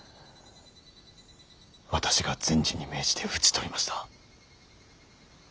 私が善児に命じて討ち取りました。